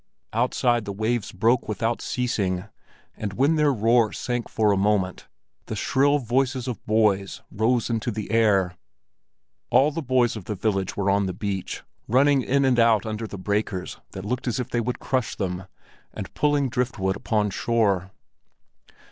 Outside the waves broke without ceasing, and when their roar sank for a moment, the shrill voices of boys rose into the air. All the boys of the village were on the beach, running in and out under the breakers that looked as if they would crush them, and pulling driftwood upon shore.